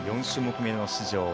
４種目めの出場。